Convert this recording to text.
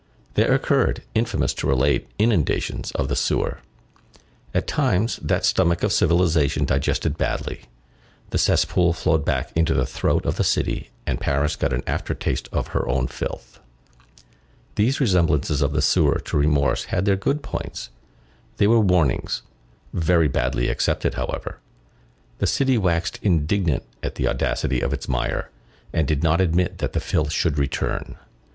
There occurred, infamous to relate, inundations of the sewer. At times, that stomach of civilization digested badly, the cesspool flowed back into the throat of the city, and Paris got an after taste of her own filth. These resemblances of the sewer to remorse had their good points; they were warnings; very badly accepted, however; the city waxed indignant at the audacity of its mire, and did not admit that the filth should return.